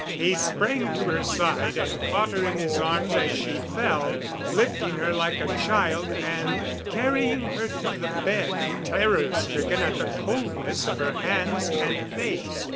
He sprang to her side and caught her in his arms as she fell, lifting her like a child and carrying her to the bed, terror stricken at the coldness of her hands and face.